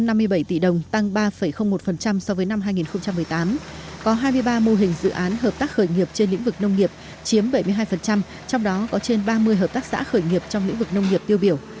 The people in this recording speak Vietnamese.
nông nghiệp chiếm bảy mươi hai trong đó có trên ba mươi hợp tác xã khởi nghiệp trong lĩnh vực nông nghiệp tiêu biểu